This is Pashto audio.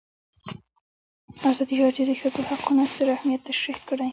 ازادي راډیو د د ښځو حقونه ستر اهميت تشریح کړی.